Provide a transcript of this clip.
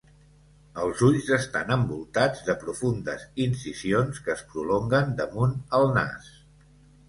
Els ulls estan envoltats de profundes incisions que es prolonguen damunt el nas.